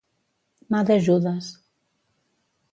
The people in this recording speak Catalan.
Mà de Judes.